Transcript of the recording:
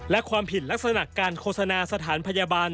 และความผิดลักษณะการโฆษณาสถานพยาบาล